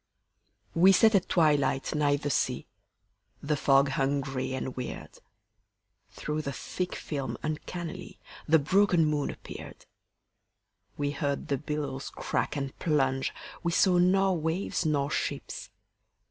We sat at twilight nigh the sea, The fog hung gray and weird. Through the thick film uncannily The broken moon appeared. We heard the billows crack and plunge, We saw nor waves nor ships.